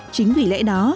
chính vì lẽ đó